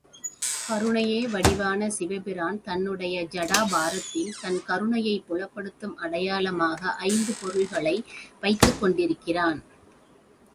கருணையே வடிவான சிவபிரான் தன்னுடைய ஜடாபாரத்திலே தன் கருணையைப் புலப்படுத்தும் அடையாளமாக ஐந்து பொருள்களை வைத்துக் கொண்டிருக்கிறான்.